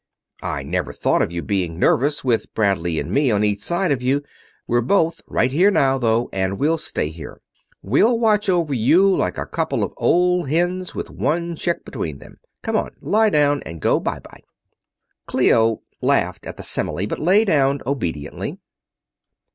"I never thought of you being nervous, with Bradley and me on each side of you. We're both right here now, though, and we'll stay here. We'll watch over you like a couple of old hens with one chick between them. Come on; lie down and go bye bye." Clio laughed at the simile, but lay down obediently.